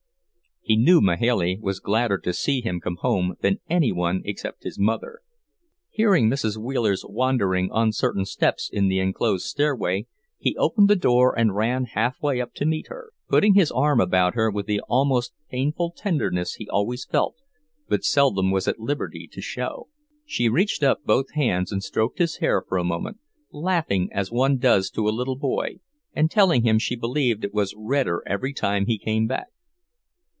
He knew Mahailey was gladder to see him come home than any one except his mother. Hearing Mrs. Wheeler's wandering, uncertain steps in the enclosed stairway, he opened the door and ran halfway up to meet her, putting his arm about her with the almost painful tenderness he always felt, but seldom was at liberty to show. She reached up both hands and stroked his hair for a moment, laughing as one does to a little boy, and telling him she believed it was redder every time he came back.